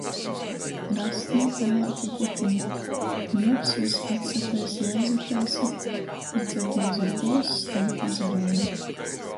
Rasni, palāki putyni, kņuobs vys atsataisa i aizataisa, i dzagiuzis bolss skaņ pa dzerauni.